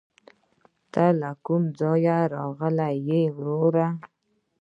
ته له کوم ځايه راغلې ؟ وروره